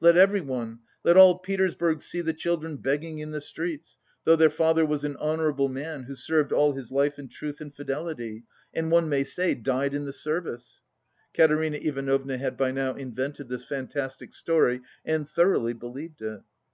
Let everyone, let all Petersburg see the children begging in the streets, though their father was an honourable man who served all his life in truth and fidelity, and one may say died in the service." (Katerina Ivanovna had by now invented this fantastic story and thoroughly believed it.)